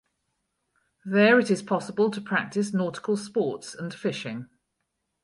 There it is possible to practice nautical sports and fishing.